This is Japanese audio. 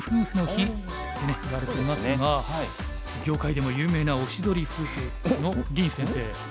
業界でも有名なおしどり夫婦の林先生。